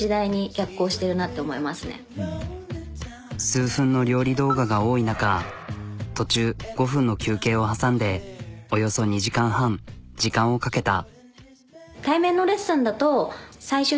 数分の料理動画が多い中途中５分の休憩を挟んでおよそ２時間半時間をかけた。